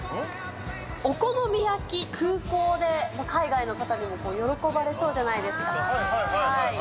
お好み焼き、空港で海外の方にも喜ばれそうじゃないですか。